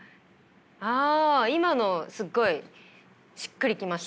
あ今のすっごいしっくり来ました。